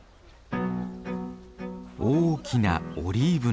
大きなオリーブの木。